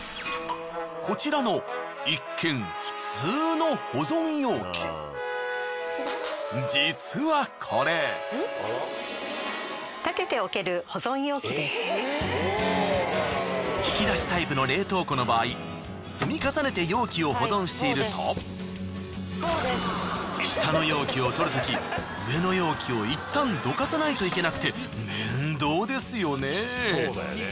こちらの一見普通の引き出しタイプの冷凍庫の場合積み重ねて容器を保存していると下の容器を取るとき上の容器をいったんどかさないといけなくて面倒ですよね。